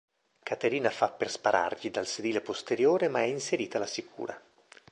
Caterina fa per sparargli dal sedile posteriore ma è inserita la sicura.